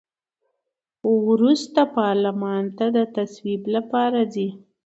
وروسته پارلمان ته د تصویب لپاره ځي.